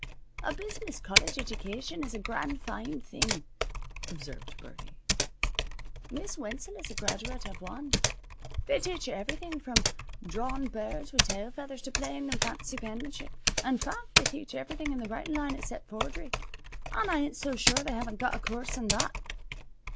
"A business college edjication is a grand foine thing," observed Birdie. "Miss Wenzel is a graduate av wan. They teach you everything from drawin' birds with tail feathers to plain and fancy penmanship. In fact, they teach everything in the writin' line except forgery, an' I ain't so sure they haven't got a coorse in that."